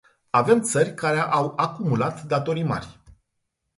Avem țări care au acumulat datorii mari.